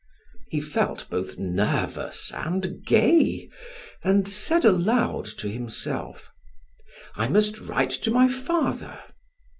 He felt both nervous and gay, and said aloud to himself: "I must write to my father."